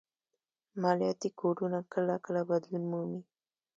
مالياتي کوډونه کله کله بدلون مومي